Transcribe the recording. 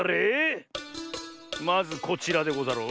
まずこちらでござろう。